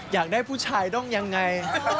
อยากได้ผู้ชายต้องยังไง